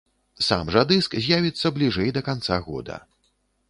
Сам жа дыск з'явіцца бліжэй да канца года.